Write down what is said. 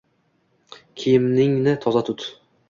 Kiyimingni toza tut.